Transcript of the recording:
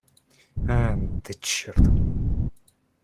А, да, черт!